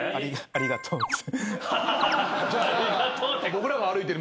「ありがとう」って。